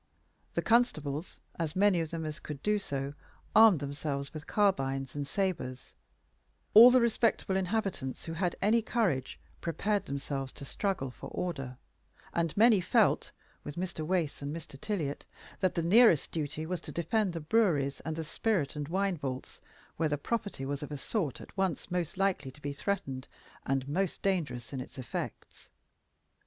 The constables, as many of them as could do so, armed themselves with carbines and sabres; all the respectable inhabitants who had any courage, prepared themselves to struggle for order; and many felt with Mr. Wace and Mr. Tiliot that the nearest duty was to defend the breweries and the spirit and wine vaults, where the property was of a sort at once most likely to be threatened and most dangerous in its effects.